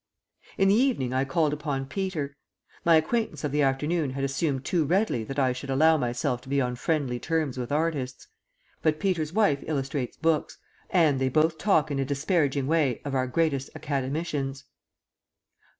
In the evening I called upon Peter. My acquaintance of the afternoon had assumed too readily that I should allow myself to be on friendly terms with artists; but Peter's wife illustrates books, and they both talk in a disparaging way of our greatest Academicians.